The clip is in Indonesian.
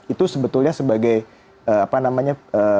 itu sebetulnya sebagai apa namanya